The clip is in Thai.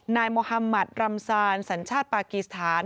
นายโมฮามัติรำซานสัญชาติปากีสถาน